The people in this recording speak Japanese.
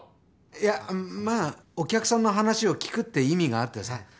いやまあお客さんの話を聞くって意味があってさ。